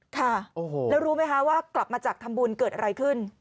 ค่ะแล้วรู้ไหมคะว่ากลับมาจากทำบุญเกิดอะไรขึ้น